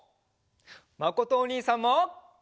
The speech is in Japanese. まことおにいさんも。